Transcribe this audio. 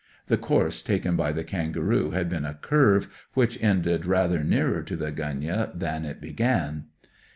(The course taken by the kangaroo had been a curve which ended rather nearer to the gunyah than it began.)